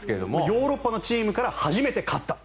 ヨーロッパのチームから初めて勝った。